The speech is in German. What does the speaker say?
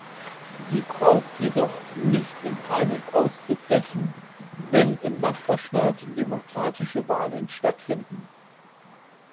Sie braucht jedoch nicht in Panik auszubrechen, wenn im Nachbarstaat demokratische Wahlen stattfinden.